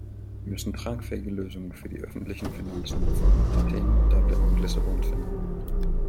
Wir müssen tragfähige Lösungen für die öffentlichen Finanzen von Athen, Dublin und Lissabon finden.